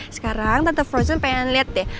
sekarang tante frozen pengen lihat deh